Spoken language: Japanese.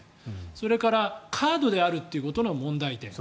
それからカードであることの問題点。